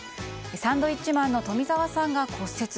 サンドウィッチマンの冨澤さんが骨折。